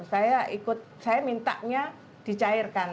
saya ikut saya mintanya dicairkan